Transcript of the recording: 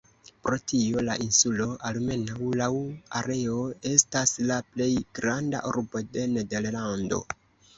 Pro tio la insulo, almenaŭ laŭ areo, estas la "plej granda urbo de Nederlando".